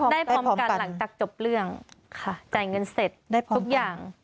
ได้พร้อมกันหลังจากจบเรื่องค่ะจ่ายเงินเสร็จทุกอย่าง